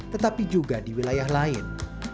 tetapi juga di wilayah lain